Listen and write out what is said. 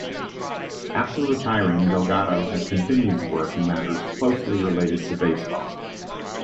After retiring, Delgado has continued to work in matters closely related to baseball.